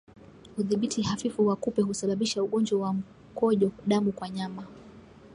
Udhibiti hafifu wa kupe husababisha ugonjwa wa mkojo damu kwa wanyama